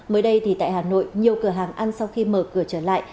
mới đây thì tại hà nội nhiều cửa hàng ăn sau khi mở cửa trở lại